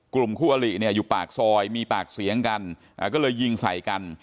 กลุ่มคู่อลิเนี่ยอยู่ปากซอยมีปากเสียงกันก็เลยยิงใส่กัน